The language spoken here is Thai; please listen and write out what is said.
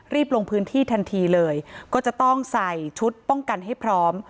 ลงพื้นที่ทันทีเลยก็จะต้องใส่ชุดป้องกันให้พร้อม